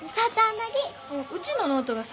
うちのノートが先。